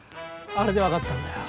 あれでわかったんだよ。